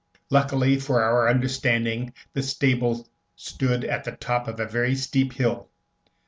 Luckily for our undertaking, the stable stood at the top of a very steep hill.